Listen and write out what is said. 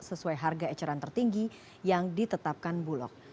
sesuai harga eceran tertinggi yang ditetapkan bulog